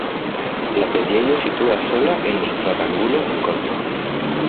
La preĝejo situas sola en stratangulo en korto.